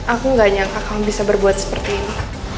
aku gak nyangka kamu bisa berbuat seperti ini